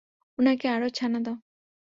উনাকে আরো ছানা দাও।